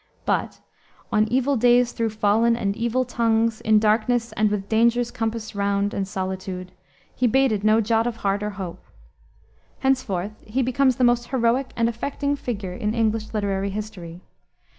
But "On evil days though fallen, and evil tongues, In darkness and with dangers compassed round And solitude," he bated no jot of heart or hope. Henceforth he becomes the most heroic and affecting figure in English literary history.